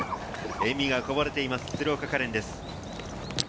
笑みがこぼれています、鶴岡果恋です。